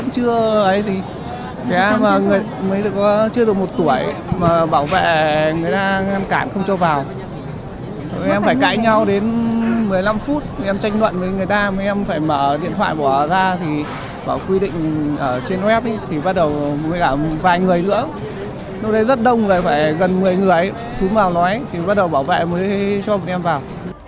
nói đây rất đông phải gần một mươi người ấy xuống vào nói thì bắt đầu bảo vệ mới cho một em vào